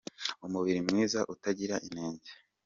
Umubiri mwiza utagira inenge